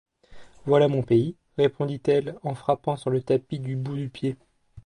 Voilà mon pays, répondit-elle en frappant sur le tapis du bout du pied.